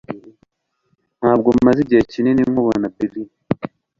Ntabwo maze igihe kinini nkubona Bill